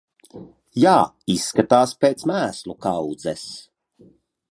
Jā, izskatās pēc mēslu kaudzes.